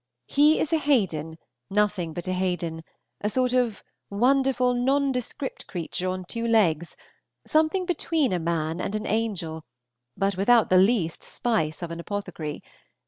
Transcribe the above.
He is a Haden, nothing but a Haden, a sort of wonderful nondescript creature on two legs, something between a man and an angel, but without the least spice of an apothecary.